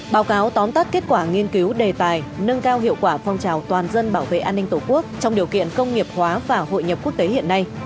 báo cáo tóm tắt kết quả nghiên cứu đề tài nâng cao hiệu quả phong trào toàn dân bảo vệ an ninh tổ quốc trong điều kiện công nghiệp hóa và hội nhập quốc tế hiện nay